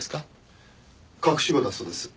隠し子だそうです。